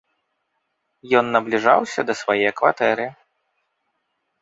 Ён набліжаўся да свае кватэры.